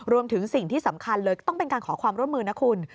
รวมถึงสิ่งที่สำคัญเลยต้องเป็นการขอความร่วมมือนะคุณ